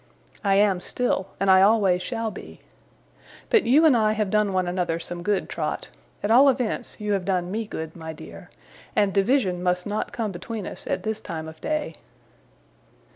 I am still, and I always shall be. But you and I have done one another some good, Trot, at all events, you have done me good, my dear; and division must not come between us, at this time of day.